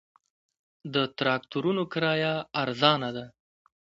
د تراکتورونو کرایه ارزانه ده